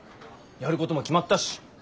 やることも決まったし。